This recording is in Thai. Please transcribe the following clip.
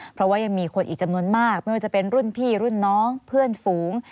เพราะว่ายังมีคนอีกจำนวนมากไม่ว่าจะเป็นรุ่นพี่รุ่นน้องเพื่อนฝูง